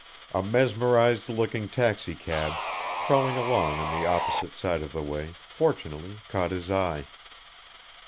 A mesmerised looking taxi cab, crawling along on the opposite side of the way, fortunately caught his eye.